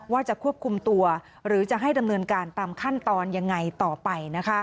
ว่าจะควบคุมตัวหรือจะให้ดำเนินการตามขั้นตอนยังไงต่อไป